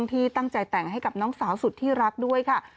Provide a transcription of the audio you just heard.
ที่ตั้งใจแต่งให้กับน้องสาวสุดที่รักด้วยค่ะ